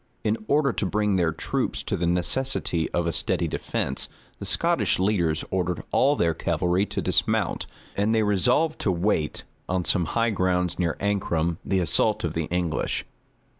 In order to bring their troops to the necessity of a steady defence, the Scottish leaders ordered all their cavalry to dismount, and they resolved to wait, on some high grounds near Ancram, the assault of the English.